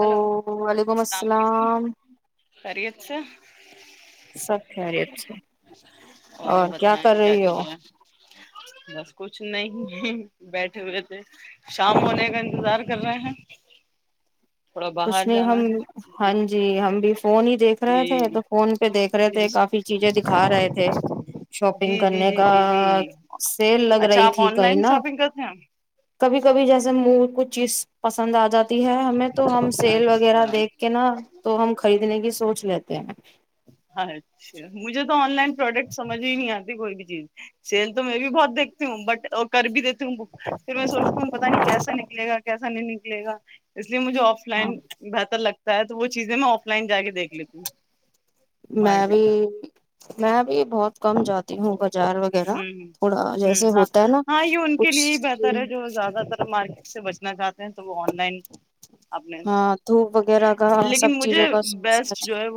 hello السلام علیکم خیریت سے [inaudible] سب خیریت سے اور کیا بتائیں کر رہی ہو چل رہا ہے بس کچھ نہیں ہے بیٹھے ہوئے تھے شام میں ے کا انتظار کر رہے ہیں تھوڑا کچھ باہر نہیں جانا ہم ہے ہاں جی ہم بھی فون ہی دیکھ رہے جی تھے تو جی فون پہ دیکھ رہے جی تھے کافی چیزیں دکھا رہے تھے جی شاپنگ جی کرنے جی کا جی جی سیل لگ اچھا رہی آپ تھی آن کہیں لائن نہ شاپنگ کرتے ہیں کبھی کبھی جیسے منہ کچھ چیز پسند آ جاتی ہے ہمیں تو ہم سیل وغیرہ اچھا دیکھ کے نا تو ہم خریدنے کی سوچ لیتے ہیں ہاں اچھا مجھے تو آن لائن پروڈکٹ سجھ ہی نہیں آتی کوئی بھی چیز سیل تو میں بھی بہت دیکتی ہوں بٹ اور کر بھی دیتی ہوں بک پھر میں سوچتی ہوں پتا نہیں کیسا نکلے گا کیسا نہیں نکل گا مجھے آف ہاں لائن بہتر لگتا تا تو وہ چیزیں میں آف لائن جا کے دیکھ لیتی ہوں میں بھی میں بھی بہت کم جاتی ہوں بازار وغیرہ ہوں تھوڑا ہوں جیسے ہاں ہوتا ہے نا ہاں یہ ان کے کچھ لیے ہی بہتر ہے جو زیادہ تر مارکیٹ سے بچنا چاہتے ہیں تو وہ آن لائن اپنے ہاں دھوپ وغیرہ کا سب لیکن مجھے چیزوں کا سوس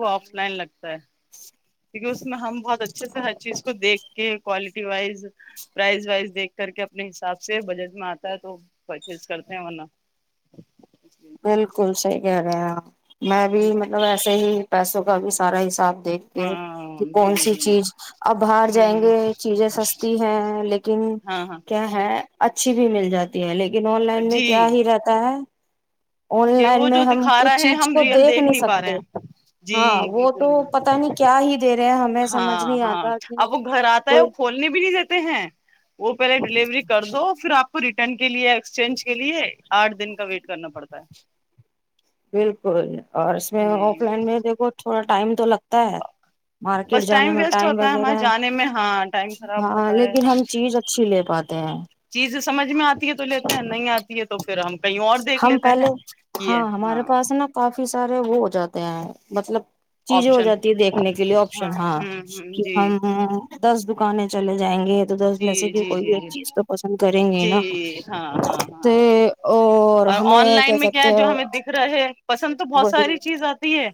گرمی کا پ کیونک اس میں ہم بہت اچھا اچھے سے ہر چیز کو دیکھ کے کوالٹی وائز پرائز وائز دیکھ کر کے اپنے حساب سے بجٹ میں آتا ہے تو پرچیز کرتے ہیں ورنہ بالکل صحیح ج رہ ہاں میں بھی مطلب ایسے ہی پیسوں کا بھی سارا حساب دیکھ کے ہاں کہ جی کون جی سی جی چیز اب باہر ہاں جائیں ہاں گے چیزیں سستی ہے لیکن ہاں ہاں کیا ہے اچھی بھی مل جاتی ہے لیکن لیکن آن لائن میں جی کیا ہی رہتا ہے آن کہ وہ لائن جو میں ہم دکھا کچھ رہا ہے چیز ہم کو ریئل دیکھ نہیں پا رہے سکتے ہیں جی ہاں وہ تو بالکل پتا نہیں کیا ہی د ہاں ہاں اب وہ گھر آتا ہے کوئی وہ کھولنے بھی نہیں دیتے ہیں وہ پہلے ڈیلیوری کر دو پھر آپ کو ریٹرن کے لیے ایکسچینج کے لیے آٹھ دن کا ویٹ کرنا پڑتا ہے بالکل اور اس میں جی آف لائن میں دیکھو تھوڑا ٹائم تو لگتا مارکیٹ بس جانے میں ویسٹ ٹائم ہوتا ہمارے وغیرہ ہے جانے میں ہاں ٹائم ہاں لیکن ہم چیز اچھی لے پاتے ہیں چیز سمجھ میں آتی ہے تو لیتے ہیں نہیں آ ہم پہلے ہاں ہمارے پاس ہے نا کافی سارے وہ ہو جاتے ہیں مطلب چیزیں ہو آپشن جاتی ہے دیکھنے کے لیے آپشن ہاں ہوں ہ کہ جی ہم دس ب دکانیں چلے جائیں گے تو دس میں سے جی کہ جی کوئی جی ایک جی چیز تو پسند کریں گے نا جی ہاں ہاں تو ہاں اور آن ہمیں لائن میں کیا ہے کہتے ہیں جو ہمیں دکھ رہا ہے پسند تو بہت وہی ساری چیز آتی ہے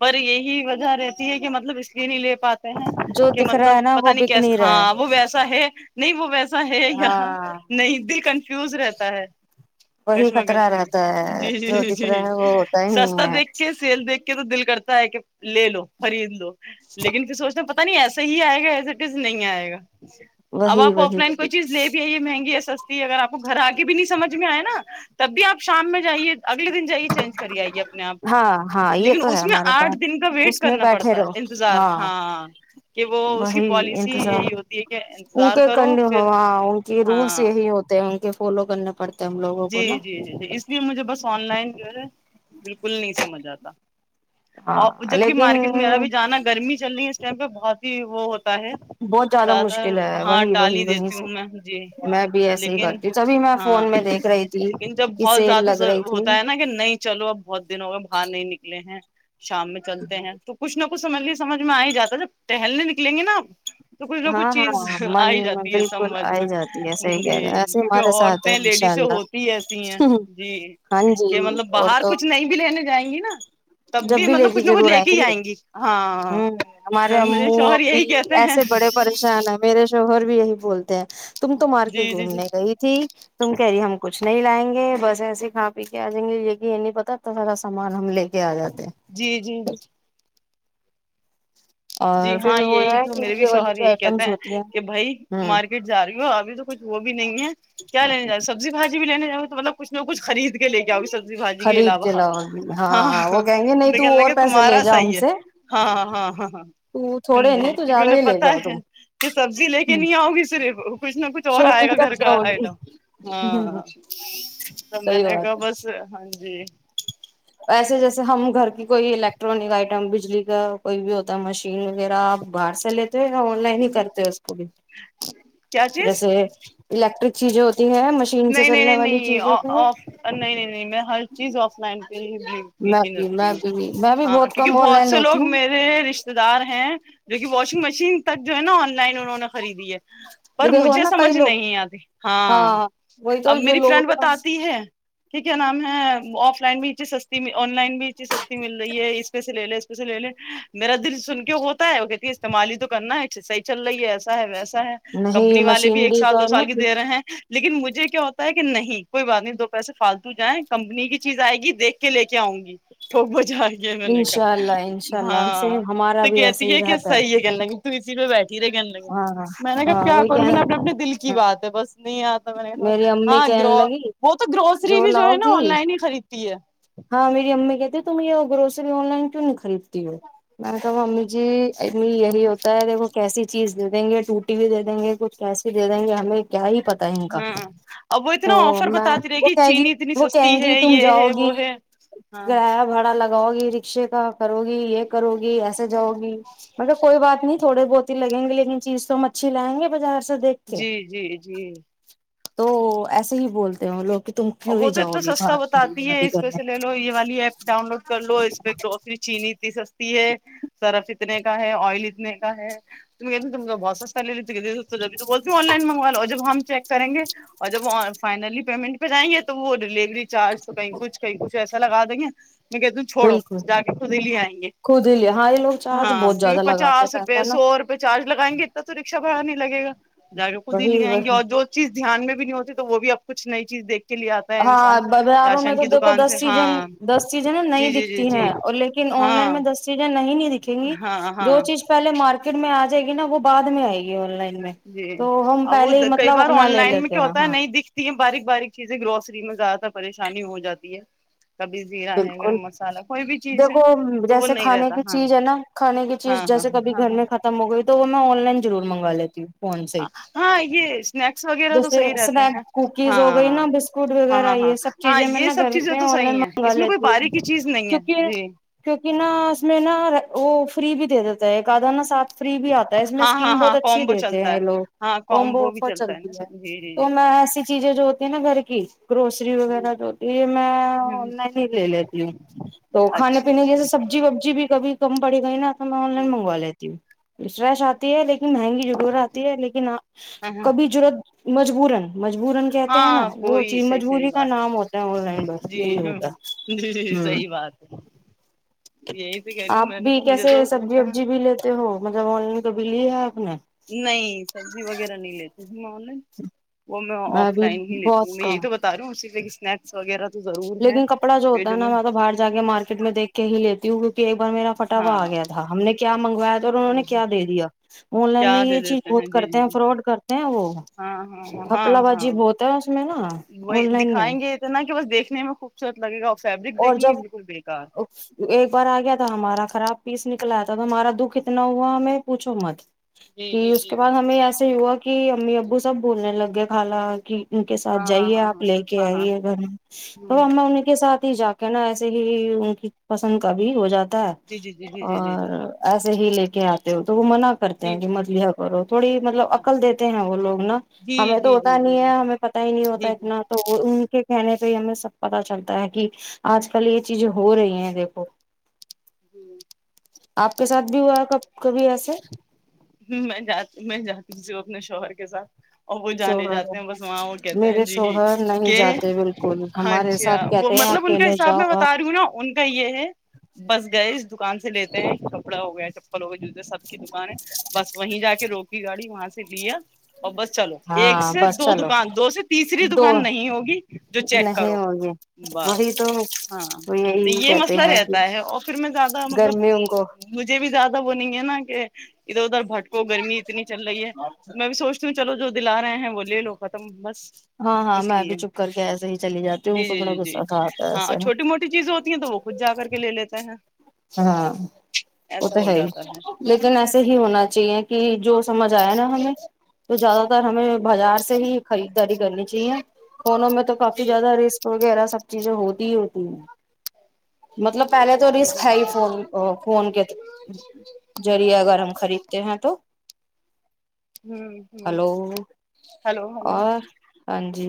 پر یہی وجہ رہتی ہے کہ مطلب اس لیے نہیں لے پات ہیں جو کہ دکھ رہا مطلب ہے نا وہ پتا نہیں بک کیس رہا ہے ہاں سا ہے نہیں وہ ویس ہے یہاں ہاں نہیں دل کنفیوز رہتا ہوتا ہے وہی کشمہ خطرہ کشمہ رہتا ہے جی جو جی دکھ رہا جی ہے وہ ہوتا ہی سستا نہیں ہے دیکھ کے سیل دیکھ کے تو دل کرتا ہے کہ لے لو خرید لو لیکن پھر سوچنا پتا پتا نہیں ایسا ہی آئے گا ایز اٹ از نہیں آئے گا اب وہی آپ آف وہی لائن وہی کوئی چیز لے بھی ہے یہ مہنگی اصل اگر آپ کو گھر آگے بھی نہیں سمجھ میں آئے نا تب بھی آپ شام میں جے اگلے دن جائیے چینج کر آئیے اپنے آپ ہاں ہاں یہ لیکن تو ہے اس میں ہمارے آٹھ پاس دن کا ویٹ اس میں کرنا بیٹھے پڑتا رہو انتظار ہاں کہ وہ اس کی وہی پالیسی انتظام یہی ہوتی ہے ان انتظار کے کرو پھر ہاں ان کے رولس ہاں یہی ہوتے ہیں ان کے فالو کرنے پڑتے ہیں ہم لوگوں کو جی نا جی جی جی اس لیے مجھے بس آن لائن جو ہے بالکل نہیں سمجھ آتا اور ہاں جبک لیکن مارکیٹ میں میرا بھی جانا گرمی چل رہی ہے پہ بہت ہی وہ ہے بہت زیادہ تر مشکل ہے ہاں وہی وہی ٹالی وہیب دیتی ہوں میں جی میں بھی ایسے ہی لیکن کرتی ہوں سبھی میں ہاں فون میں دیکھ رہی تھی لیکن جب کی بہت سیل زیادہ لگ رہی تھی ہوتا ہے نا کہ نہیں چلو اب بہت دنوں گئے باہر نہیں نکلے ہیں شام میں چلتے ہیں تو کچھ نہ کو سمجھ لی سمجھ میں آ ہی جاتا جب ٹہلنے نکلیں گے ناپ ہاں بالکل سمجھ ا میں جاتی ہے صحیح کہہ رہا ہے ایسے ہمارے ساتھ ہے انشاءاللہ سے ہوتی ایسی ہیں جی ہاں جی کہ مطلب اور باہر تو کچھ نہیں بھی لینے جائیں گے نا تب جب بھی لے مطلب کے کچھ نہ کچھ جضرور لے آئیں ہی گے ہو گی ہاں ہ ہمارے میرے امو شوہر ابھی یہی کہتے ہیں ایسے بڑے پریشان ہیں میرے شوہر بھی بھی یہی بولتے ہیں تم تو مارکیٹ جی جی جی گھومنے گئی تھی تم کہہ رہی ہم کچھ نہیں لائیں گے بس ایسے کھا پی کے آ جیں گے یہ کہ یہ نہیں پتا اتنا سارا سامان ہم لے کیا آ جاتے ہیں جی جی جی [unintelligible] جی ہاں پھر وہ یہی ہے تو کہ میرے بھی یہ والی شوہر جو یہی کہتے آئٹمس ہیں ہوتی کہ بھائی ہوں مارکیٹ جا رہی ہو ابھی تو کچھ وہ بھی نہیں ہے کیا لینے جا سبزی بھجی بھی لینے جاؤ تو مطلب کچھ نہ کچھ خرید لےاؤ بھی سبز بھجی کے خرید علاوہ لاؤ گی ہاں ہاں ہاںاں وہ کہیں گے تو نہیں کہنے اور لگے پیسے لے تمہارا جا ہم صحیح ہے سے ہاں ہاں ہاں ہاں ہاں تو ہ تھوڑے نہیں جی تو کیونکہ زیادہ انہیں ہی لے پتا جاؤ ہے تم کہ سبزی لے کے نہیں آؤگی صرف کچھ نہ کچھ اور آئے گا شاپنگ کر گھر کے کا آؤ گی آئٹم ہاں تو میں صحیح نے کہا بات بس جی ایسے جیسے ہم گھر کی کوئی الیکٹرانک آئٹم بجلی کا کوئی بھی ہوتا ہے مشین وغیرہ آپ باہر سے لیتے یا آن لائن ہی کرتے اسکول کیا چیز جیسے الیکٹرک چجت [unintelligible] نہیں نہیں نہیں نہیںف نہیں نہیں نہیں میں ہر چیز آف لائن پہ ہی میں یقین بھی رکھتی میں ہوں بھی میں بھی ہاں کیونکہ کم آن بہت لائن سے لیتی لوگ ہوں میرے رشتے دار ہیں جو کہ واشنگ مشین تک جو ہے نا آن لائن انہوں نے خریدی ہے پر دیکھو مجھے نا کئی سمجھ لوگ نہیں آتی ہاں وہی تو اب جو میری لوگوں فرینڈ کے پاس بتاتی ہے کہ کیا نام ہے آف لائن بھی یہ چیز سی آن لائن بھی چیز سستی مل رہی ہے اس پہ سے لے لے اس پہ سے لے لے میرا دل سن کے ہوتا ہے وہ کہتی ہے استعمال ہی تو کرنا ہے صحیح چل رہی ہے ایسا ہے وسا کمپنی نہیں والے بھی ایک مشینری سال دو کا نا سال کی دے رہے ہیں لیکن مجے کیا ہوتا ہے کہ نہیں کوئی بات نہیں دو پیسے فالتو جائیں کمپنی کی چیز آئے گی دیکھ کے لے کے آؤں گی ٹوک بڑ جاے میں نے کہ انشاء اللہ انشاء اللہ ہم سے ہاں ہمارا تو بھی ایسے کہتی ہی ہے کہ رہتا صحیح ہے کر لگ کسی پ ب بیٹے [unintelligible] دھیرے گنے لگے ہاں میں نے کب ہاں کیا وہی کہ کروں میں اپنے اپنے دل کی بات ہے بس نہیں آ میری [inaudible] امی ہاں گ کہنے لگی وہ تو گروسری بھی جو لاؤ ہے نا آن گی لائن ہی خریدتی ہے ہاں میری امی کہتی تم یہ گروسری آن لائن کیوں نہیں خریدتی ہو میں نے کہا امی جی امی یہی ہوتا ہے دیکھو کیسی چیز دے دیں گے ٹوٹی بھی دے دیں گے کچھ کیسی دے دیں گے ہمیں کیا ہی پتا ہے ان کا ہاں اب وہ تو اتنا آفر میں بتاتی رہے وہ کہ گی چینی اتنی وہ سستی کہیں گی ہے تم یہ جاؤ ہے گی وہ ہے ہاں گریہ بھاڑا لگاؤ گی رکشے کا کرو گی یہ کرو گی ایسے جؤ گی مگر کوئی بات نہیں تھوڑے بہت ہی لگیں گے لیکن چیز تو ہم اچھی لائیں گے بازار سے دیکھ کے جی جی جی تو ایسے ہی بولتے ہو لوگ کہ تم کیوں ہی جاؤ گی باہر خری جاری سےے لو یہ والی ایپ ڈاؤن لوڈ کر لو اس پہ گروسری چینی تھی س ہے سرف اتنے کا ہے آئل اتنے کا ہے بہت ستا لےیول آن لائن مگ ل ج ہم چیک کریں گے اور جب فائنلی پیمنٹ جائ گے تو وہ ڈلیوری چارج تو کئی کچھ کئی ایسا لگا دیں گے م کہ تم چھوڑو بالکل جا کے خود ہی لے آئیں گے خود ہی لیا ہاں یہ لوگ چارج ہاں بہت کیونکہ زیادہ لگاتے ہیں پچاس روپے پیسہ نا سو روپئے چارج لگائیں گے اتنا تو رکشا بڑا نہیں لگے گا جاگے خود ہی وہی لے جیں گے وہی اور جو چیز دھیان میں نہیں ہوتی تو وہ بھی اب کچھ نہیں یز دیک [inaudible] ہاں بازاروں میں تو دیکھو دکان سے دس سیزیں ہاں دس سیزیں جی نہیں جی جی دکھتی جی ہے اور لیکن آن لائن ہاں میں دس سیزیں نہیں نہیں دیکھیں گی ہاں جو ہاں چیز پہلے مارکیٹ میں آ جائے گی نا وہ بع میں آئے گی آن لائن میں جی تو ہم ا وہ پہلے ہی کئی مطلب بار اپنا آن لے لائن میں لیتے کیا ہیں ہوتا ہے ہاں نہیں دکھتی ہے باریک باریک ج گروسری میں زیاد تھا پریش پریشانی ہو جاتی ہے کبھی زیرہ ہے بالکل گرم مسالہ کوئی بھی چیز ہے دیکھو تو وہ جیسے نہیں کھانے رہتا کی ہاں چیز ہے نا کھانے کی ہاں چیز ہاں جیسے کبھی ہاں گھر ہاں میں ختم ہو گئی تو وہ آن لائن ضور منگا لیتی ہوں فون سے ہاں ہاں یہ اسنیکس وغیرہ تو جیسے صحیح رہتے ہیں سنیک کوکیز ہو گئی ہاں نا بسکٹ ہاں وغیرہ ہاں ہاں یہ سب ہاں چیزیں میں یہ سب گھر چیزیں میں تو آن صحیح ہیں اس لائن میں کوئی لیتی ہ باریکی چیز نہیں ہے کیک جی کیک نہا اس میں نہا وہ فری بھی دے دیتا ہے آدا ن ساتھ فری بھی آتا ہے اس میں ہاں ہاں اسکیم بہت ہاں اچھی کومبو دیتے چلتا ہے ہیں لوگ ہاں ہوم کومبو بھی آفر چلتا نا چلتی ہے جی تو جی جی میں ایسی چیزیں جو ہوتی ہے نا گھر کی گروسری جی وغیرہ جو ہوتی ہے یہ ہ میں نہیں لے لیتی ہوں تو کھانے اچھا پینے اچھا کییسے سبزی وبزی بھی کبھی کم پڑی گئی نا ہم میں آن لائن مگوا لیتی ہوں وشش آتی ہے لیکن مہنگی ضرور آتی ہے لیکن ہ کبھی ضرورت مجبورن مجبورا کہتے ہیں نا ہاں وہ کوئی چیز صحیح صحیح مجبوری کا بات نام ہوتا ہے آن لائن بس جی یہی ہوتا ہوں جی ہے صحی بات ہے یہی تو کہہ رہی ہوں آپ میں نے بھی کہا مجھے کیسے تو سبزی ہوتا ہے وبزی بھی لیتے ہو مطلب آن لائن بلی نہیں سبزی وغیرہ نہیں لیتی ہ میں آن لائن وہ میں آف بھی لائن ہی لیتی ہوں بہت میں یہی کم تو بتا رہی ہوں اسی ج سناکس وغیرہ تو ضرور ہے لیکن کپڑا جو یہ ہوتا ہے میں نا تو باہر جا کے مارکیٹ میں دیکھ کے ہی لیتے کہ میرا پٹاوا ہاں آ گیا تھا ہم نے کیا منگویا تھا انہوں نے کیا دے دیا آن لائن میں کیا دے یہ چیز دیتے بہت جی جی کرتے ہیں جی فراڈ کرتے ہیں وہ ہاں ہاں ہاں کپلا ہاں بازی بہت ہے اس میں نا آن لائن میں دیکنے میں خوبصورت لگے گا فیبرک اور دیکھیں گے جب بالکل بےیکار ایک بار آ گیا تھا ہمارا خراب پیس نکلا آیا تھا تو ہمارا دکھ اتنا ہوا ہم پوچھو مت جی کہ جی اس جی کے جی بعد ہمیں ایسے ہی ہوا کہ امی ابو وہ سب بولنے لگے خالا کی ان کے ساتھ ہاں ہاں جائیے ہاں آپ لے کے ہاں ہاں ہاں آئیے گھر میں تو ہ اا ان کے ساتھ جا کے نا ایسے ہی ان کی پسند ک بھی ہو جاتی جی جی جی جی جی جی جی اور ایسے ہی لے کے آتے ہو تو وہ منع کرتے جی ہیں کہ مت اور تھوڑی مطلب عقل اچھا دیتے ہیں وہ لوگ نا جی ہمیں تو جی ہوتا جی جی نہیں ہے ہمیں پت ہی نہیں ہوتا جی اتنا تو ان کے کہنے کو ہمیں سب پتا چلتا ہے کہ آج کل یہ چیز ہو رہی ہیں دیکھو جی آپ کے ساتھ بھی ہوا ہے کب کبھی ایسے ہ میں جات میں جاتی سوں اپنے شوہر کے ساتھ اور وہ جانے شوہر جاتے ہیں بس وہاں وہ کہتے ہیں میرے جی شوہر نہیں کہ جاتے بالکل ہمارے اچھا ساتھ وہ کہتے ہیں مطلب ان کا اکیلے حساب جاؤ میں آپ بتا رہی ہوں نا ان کا یہ ہے بس گئے اس دکان سے لیتے ہیں ک ککڑا ہو گیا چپل ہو گ جسے سب [unintelligible] کی دکان ہے وہی جا کے روک گاڑی وہاں سے لیا اور بس چلو ایک ہاں سے بس دو چلو دکان دو سے تیسری دو دکان نہیں ہوگی جو چیک نہیں کرو ہوگے بس وہی تو ہاں وہ تو یہی یہ کہتے مسئلہ ہیں کہ رہتا ہے اور پھر میں زیادہ مطلب گرمی ان کو مجھے بھی زیادہ وہ نہیں ہے نا کہ [unintelligible] ادھر ادھر بھٹکو گرمی اتنی چل رہی ہے میں بھی سوچتی ہوں چلو جو دلا رہے ہیں وہ لے لو ختم مس ہاں ہاں اس میں بھی لیے چپ کر کے ایسے ہی چلی جاتی ہوں ان جی کو جی بڑا جی جی غصہ تھا آتا ہے ہاں ایسے چھوٹی موٹی چیزیں ہوتی ہیں تو وہ خود جا کر کے لے لیتے ہیں ہاں وہ ایسا تو ہو ہے ہی جاتا لیکن ایسے ہی چاہیے کہ جو سمجھ آیا نا ہمیں تو زیادہ تر ہمیں بازار سے ہی خریدداری کرنی چاہیے فونوں میں تو کافی جی زیاد ریس پر وغیرہ سب چیزیں ہوتی ہی ہوتی ہیں مطلب پہلے تو ریس ہے ہی فون فون کے جی ذریعے اگر ہم خریدتے ہیں تو جی ہوں ہوں ہلو ہلو ہلو اور ہاں جی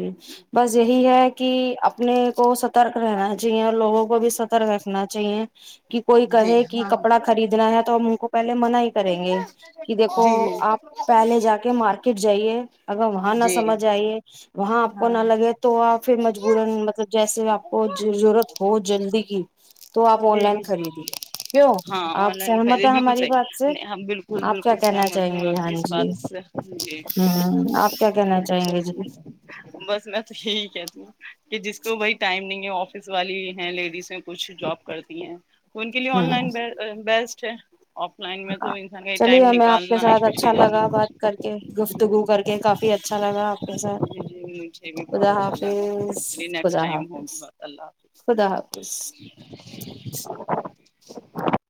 بس یہی ہے کہ اپنے کو ستح رہا جی لوگوں کو بھی سترک رکھنا چاہیے کہ کوئی جی کہے کہ ہاں ہاں کپڑا خریدنا ہے تو ہم ان کو پہلے منع ہی کریں گے کہ دیکھو جی جی آپ پہلے جا کے مارکیٹ جائیے اگر وہاں نہ جی سمجھ آئیے وہاں آپ کو نہ ہاں لگے تو آپ ھر مجبورن مطلب آپ کوضرورت ہو جلدی کی تو آن جی لائن جی خریدیے کیوں ہاں آن آپ لائن سہمت خریدی ہے بالکل ہماری بات صحیح سے نہیں ہ بالکل آپ کیا بالکل کہنا سہمت چاہیں ہوں آپ گے ہاں ک بات جی سےحح ہ آپ کیا کہنا چاہیں گے جی بس میں تو یہی کہتی ہوں کہ جس تو بھائی ٹائم نہیں ہے آفس والی ہیں لیڈیز ہیں کچھ جاب کرتی ہیں کون کے لیے ہ آن لائن بیسٹ اچھا چلیے ہمیں آپ کے ساتھ اچھا اسپیشلی لگا جانا بات کر کے گفتگو کر کے کافی اچ اچھا لگا آپ کے ساتھ ج مجھے بھی بہت خدا اچھا لگا حافظ نیکٹ خدا ٹائم ہوگی حافظ بات اللہ حافظ خدا حافظ ہاں